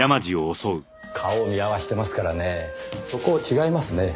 顔を見合わせてますからねぇそこ違いますね。